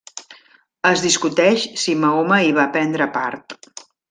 Es discuteix si Mahoma hi va prendre part.